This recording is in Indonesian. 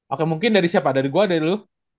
oke mungkin dari siapa dari gua atau dari lu